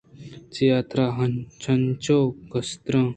چہ ترا چنچو کستراں